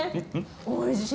おいしい。